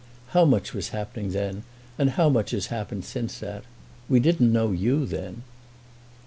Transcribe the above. how much was happening then, and how much has happened since that! We didn't know you then."